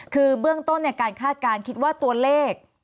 คือเบื้องต้นการคาดการณ์คิดว่าตัวเลข